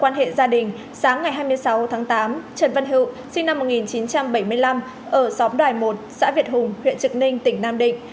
quan hệ gia đình sáng ngày hai mươi sáu tháng tám trần văn hữu sinh năm một nghìn chín trăm bảy mươi năm ở xóm đoài một xã việt hùng huyện trực ninh tỉnh nam định